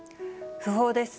訃報です。